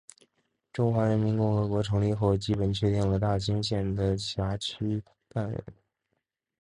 中华人民共和国成立后基本确定了大兴县的辖区范围。